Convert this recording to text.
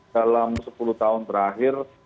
dalam sepuluh tahun terakhir